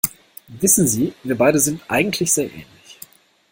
Wissen Sie, wir beide sind eigentlich sehr ähnlich.